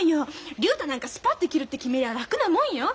竜太なんかスパッと切るって決めりゃ楽なもんよ。